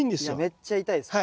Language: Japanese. めっちゃ痛いです。